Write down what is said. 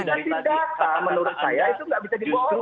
penyiasatan data menurut saya itu nggak bisa dibawa